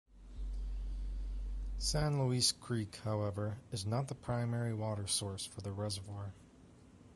San Luis Creek, however, is not the primary water source for the reservoir.